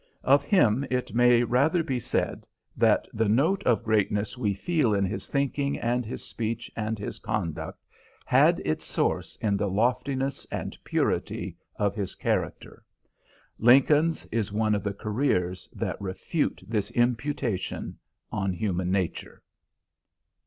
Of him it may rather be said that the note of greatness we feel in his thinking and his speech and his conduct had its source in the loftiness and purity of his character. Lincoln's is one of the careers that refute this imputation on human nature.